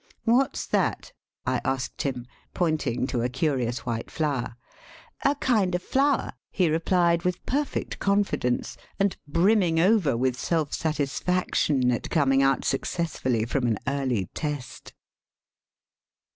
''What's that?" I asked him, pointing to a curious white flower. ''A kind of flower," he replied with perfect confidence, and brimming over with self satis faction at coming out successfully from an early test.